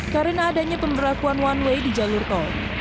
karena adanya pemberlakuan one way di jalur tol